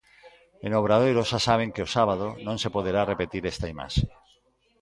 E no Obradoiro xa saben que o sábado, non se poderá repetir esta imaxe.